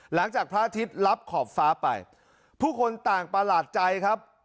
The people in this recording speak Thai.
หลังจากพระอาทิตย์รับขอบฟ้าไปผู้คนต่างประหลาดใจครับ